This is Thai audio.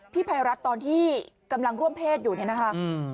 ภัยรัฐตอนที่กำลังร่วมเพศอยู่เนี่ยนะคะ